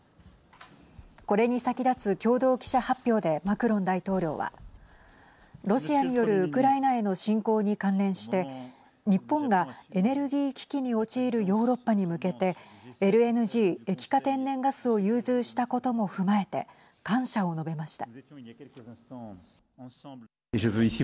これに先立つ共同記者発表でマクロン大統領はロシアによるウクライナへの侵攻に関連して日本がエネルギー危機に陥るヨーロッパに向けてＬＮＧ＝液化天然ガスを融通したことも踏まえて感謝を述べました。